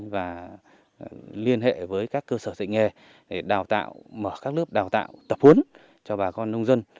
và liên hệ với các cơ sở dạy nghề để đào tạo mở các lớp đào tạo tập huấn cho bà con nông dân